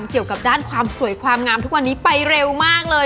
เกี่ยวกับด้านความสวยความงามทุกวันนี้ไปเร็วมากเลย